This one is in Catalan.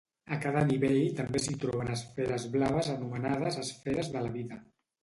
A cada nivell també s'hi troben esferes blaves anomenades esferes de la vida.